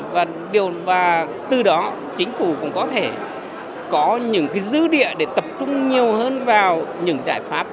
và từ đó chính phủ cũng có thể có những dư địa để tập trung nhiều hơn vào những giải pháp